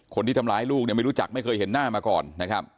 คนที่ทำร้ายลูกเนี่ยไม่รู้จักไม่เคยเห็นหน้ามาก่อนนะครับ